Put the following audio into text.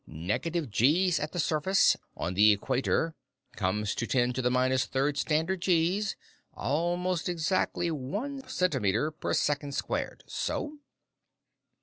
Negative gees at the surface, on the equator, comes to ten to the minus third standard gees almost exactly one centimeter per second squared. So?"